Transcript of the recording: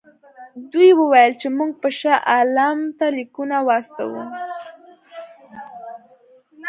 دوی وویل چې موږ به شاه عالم ته لیکونه واستوو.